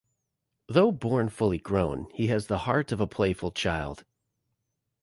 Though born fully-grown, he has the heart of a playful child.